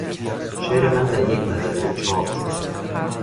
شعر من در یک مجله چاپ شد.